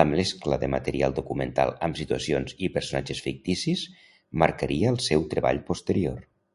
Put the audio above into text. La mescla de material documental amb situacions i personatges ficticis marcaria el seu treball posterior.